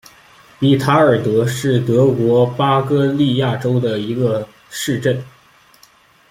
比塔尔德是德国巴伐利亚州的一个市镇。